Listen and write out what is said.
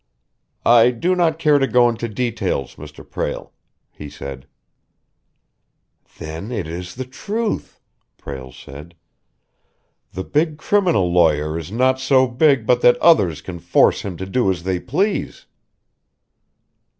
"I do not care to go into details, Mr. Prale," he said. "Then it is the truth!" Prale said. "The big criminal lawyer is not so big but that others can force him to do as they please."